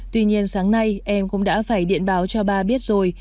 tuy nhiên sáng nay em cũng đã phải điện báo cho bà biết rồi